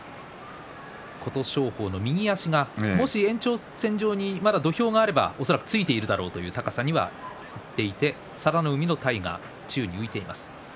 琴勝峰の右足がもし延長線上に土俵があればついているだろうという高さにはなっていて佐田の海の体が宙に浮いています。